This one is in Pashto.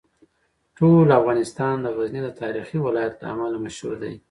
ټول افغانستان د غزني د تاریخي ولایت له امله مشهور دی.